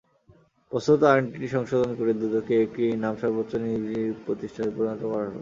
বস্তুত আইনটি সংশোধন করে দুদককে একটি নামসর্বস্ব নির্জীব প্রতিষ্ঠানে পরিণত করা হলো।